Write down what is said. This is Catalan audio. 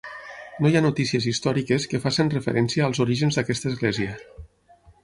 No hi ha notícies històriques que facin referència als orígens d'aquesta església.